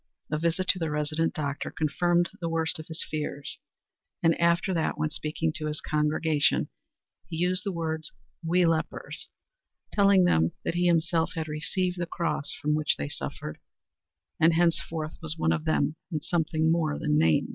A visit to the resident doctor confirmed the worst of his fears, and after that when speaking to his congregation he used the words "we lepers," telling them that he himself had received the cross from which they suffered, and henceforth was one of them in something more than name.